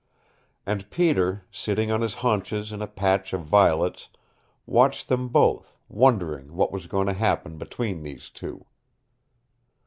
And Peter, sitting on his haunches in a patch of violets, watched them both, wondering what was going to happen between these two.